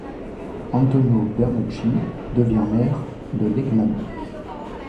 Antonio Bernocchi devient maire de Legnano.